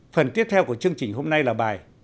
phần tiếp theo của chương trình hôm nay là bài